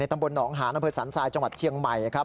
ตำบลหนองหานอำเภอสันทรายจังหวัดเชียงใหม่ครับ